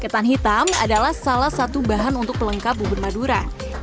ketan hitam adalah salah satu bahan untuk pelengkap bubur madura